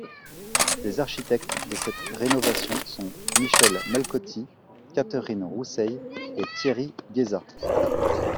Les architectes de cette rénovation sont Michel Malcotti, Catherine Roussey et Thierry Gheza.